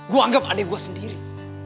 gua anggap adik gua sendiri